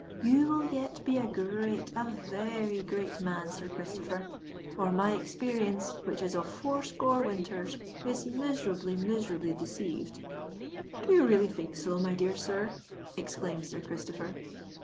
"You will yet be a great—a very great man, Sir Christopher; or my experience, which is of four score winters, is miserably—miserably deceived." "Do you really think so, my dear sir?" exclaimed Sir Christopher.